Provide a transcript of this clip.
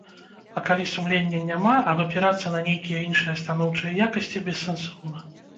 А калі сумлення няма, абапірацца на нейкія іншыя станоўчыя якасці бессэнсоўна.